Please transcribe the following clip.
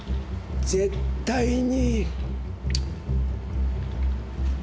絶対に。